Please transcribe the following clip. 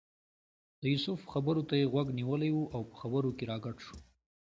د یوسف خبرو ته یې غوږ نیولی و او په خبرو کې راګډ شو.